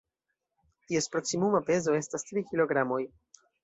Ties proksimuma pezo estas tri kilogramoj.